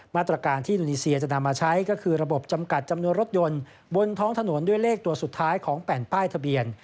มาตรการที่อินโดนีเซียจะนำมาใช้ก็คือระบบจำกัดจำนวนรถยนต์บนท้องถนนด้วยเลขตัวสุดท้ายของแผ่นป้ายทะเบียน